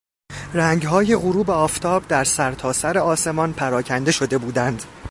رنگهای غروب آفتاب در سرتاسر آسمان پراکنده شده بودند.